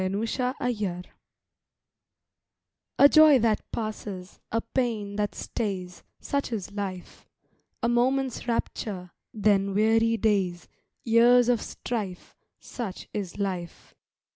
THE WHOLE OF IT A joy that passes, a pain that stays, Such is life. A moment's rapture, then weary days, Years of strife, Such is life.